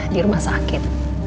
di rumah sakit